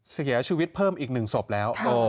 เสียชีวิตเพิ่มอีก๑ศพแล้ว